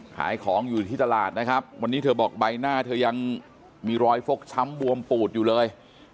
ขายของอยู่ที่ตลาดนะครับวันนี้เธอบอกใบหน้าเธอยังมีรอยฟกช้ำบวมปูดอยู่เลย